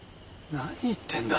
なに言ってんだ。